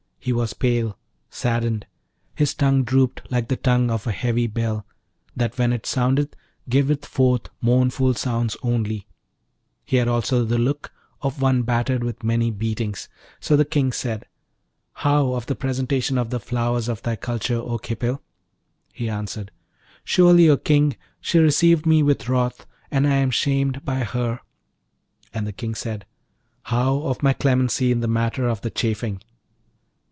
He was pale, saddened; his tongue drooped like the tongue of a heavy bell, that when it soundeth giveth forth mournful sounds only: he had also the look of one battered with many beatings. So the King said, 'How of the presentation of the flowers of thy culture, O Khipil?' He answered, 'Surely, O King, she received me with wrath, and I am shamed by her.' And the King said, 'How of my clemency in the matter of the chafing?'